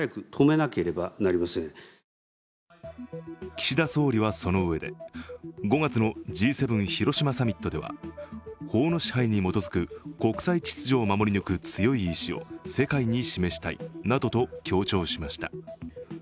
岸田総理はそのうえで、５月のＧ７広島サミットでは法の支配に基づく国際秩序を守り抜く強い意志を世界に示したいなどと強調しました。